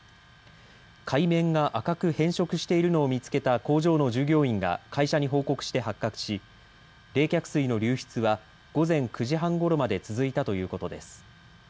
海面が赤く変色しているのを見つけた工場の従業員が会社に報告して発覚し冷却水の流出は午前９時半ごろまで続いたということです。